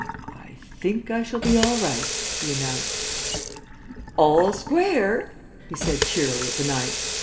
"I think I shall be all right," he announced. "All square," he said cheerily at the ninth.